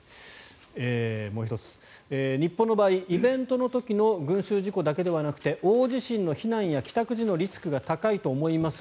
もう１つ日本の場合、イベントの時の群衆事故だけではなくて大地震の避難や帰宅時のリスクが高いと思います